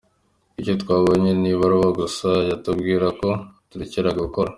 Icyo twabonye ni ibaruwa gusa yatubwira ko turekera gukora.